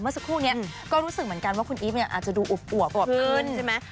เหมือนกันว่าคุณอีฟเนี่ยอาจจะดูอวบขึ้นใช่ไหม